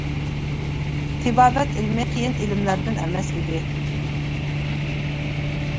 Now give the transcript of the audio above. تېبابەت ئىلمى قىيىن ئىلىملەردىن ئەمەس ئىدى.